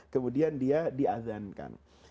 kemudian dia di azankan